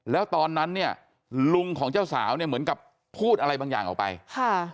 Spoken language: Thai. แล้วตอนนั้นเนี่ยลุงของเจ้าสาวเนี่ยเหมือนกับพูดอะไรบางอย่างออกไปค่ะ